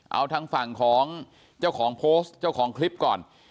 เอาทางฝั่งของเจ้าของโพสต์เจ้าของคลิปก่อน